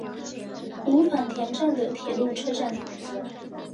五反田站的铁路车站。